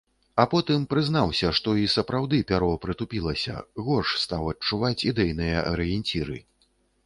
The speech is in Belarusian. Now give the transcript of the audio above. А потым прызнаўся, што і сапраўды пяро прытупілася, горш стаў адчуваць ідэйныя арыенціры.